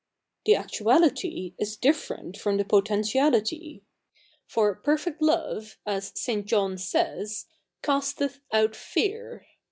The actuality is different fro7n the pote7itiality ; for '■'■ perfect love,'" as St. John says, '' casteth out fear.''